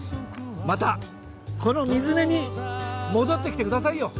またこの水根に戻ってきてくださいよ。